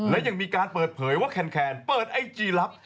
และยังมีการเปิดเผยว่าแคนเปิดไอจีลับ